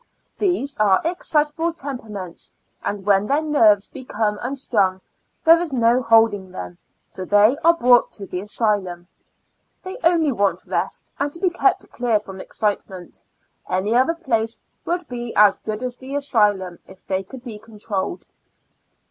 These are excitable temperaments, and when their nerves be come unstrung, there is no holding them, so they are brought to the asylum. They only want rest, and to be kept clear from excite ment; any other place would be as good as the asylum if they could be controlled.